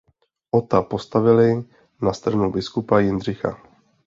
Ota postavili na stranu biskupa Jindřicha.